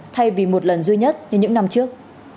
thay vì một lần duy nhất như những năm trước